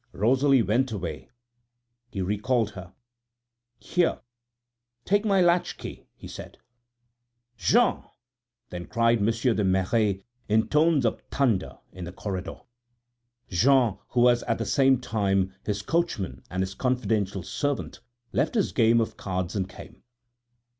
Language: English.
Rosalie went away, he recalled her. "Here, take my latchkey," he said. "Jean!" then cried Monsieur de Merret, in tones of thunder in the corridor. Jean, who was at the same time his coachman and his confidential servant, left his game of cards and came.